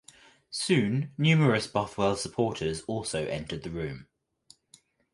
Soon numerous Bothwell supporters also entered the room.